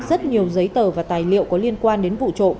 rất nhiều giấy tờ và tài liệu có liên quan đến vụ trộm